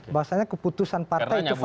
bahasanya keputusan partai itu final